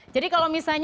jadi kalau misalnya